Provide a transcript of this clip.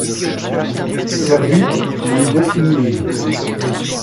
Servites, où il est inhumé.